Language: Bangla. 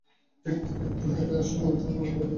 ঠিক, ঠিক, ঠিক একটু হেঁটে আসলে মনে হয় আমার ভালো লাগবে।